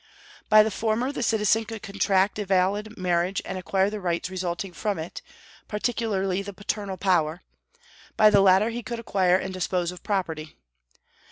By the former the citizen could contract a valid marriage and acquire the rights resulting from it, particularly the paternal power; by the latter he could acquire and dispose of property.